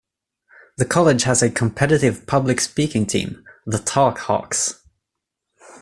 The college has a competitive public speaking team, the Talk Hawks.